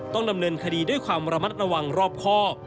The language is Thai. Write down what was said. ต้องดำเนินคดีด้วยความระมัดระวังรอบครอบ